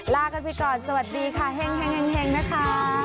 ลากันไปก่อนสวัสดีค่ะเฮ่งนะคะ